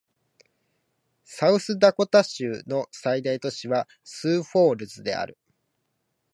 サウスダコタ州の最大都市はスーフォールズである